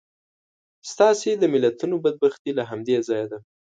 ستاسې د ملتونو بدبختي له همدې ځایه ده.